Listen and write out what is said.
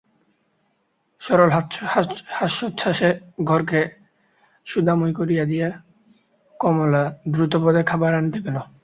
সরল হাস্যোচ্ছ্বাসে ঘরকে সুধাময় করিয়া দিয়া কমলা দ্রুতপদে খাবার আনিতে গেল।